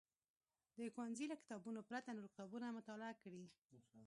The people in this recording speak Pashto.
د ښوونځي له کتابونو پرته نور کتابونه مطالعه کړي.